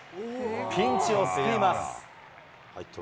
ピンチを救います。